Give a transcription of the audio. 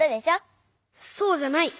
そうじゃない！